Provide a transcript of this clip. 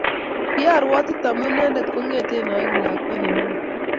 Kiarwatit amu inendet kongete aeku lakwet ne mingin